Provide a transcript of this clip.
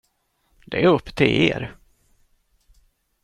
Det är upp till er.